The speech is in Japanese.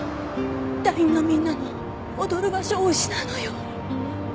団員のみんなも踊る場所を失うのよ